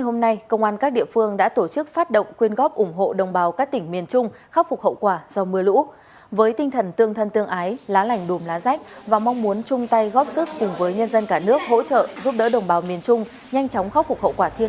hãy đăng ký kênh để ủng hộ kênh của chúng mình nhé